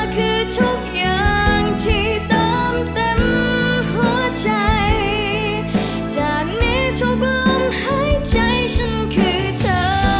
ขอบคุณค่ะ